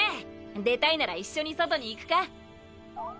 出たいなら一緒に外に行くか？